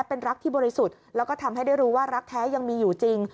เป็นรักที่บริสุทธิ์แล้วก็ทำให้ได้รู้ว่ารักแท้ยังมีอยู่จริง